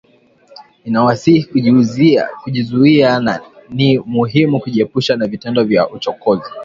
Ninawasihi kujizuia na ni muhimu kujiepusha na vitendo vya uchokozi